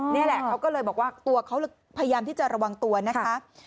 นี่แหละเขาก็เลยบอกว่าตัวเขาพยายามที่จะระวังตัวนะคะ